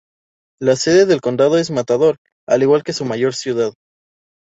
La sede del condado es Matador, al igual que su mayor ciudad.